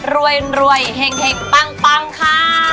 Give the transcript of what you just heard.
รวยรวยเฮ็งเทคปังปังค่ะ